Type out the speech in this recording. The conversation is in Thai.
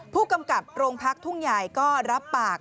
ผู้กำกับโรงพักทุ่งใหญ่ก็รับปาก